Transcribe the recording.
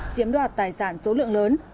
chiếm đoạt tài sản số lượng lớn